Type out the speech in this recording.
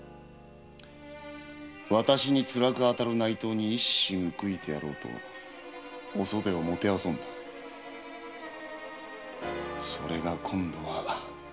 わたしに辛く当たる内藤に一矢報いてやろうとお袖をもてあそんだがそれが今度は仇になりそうだ。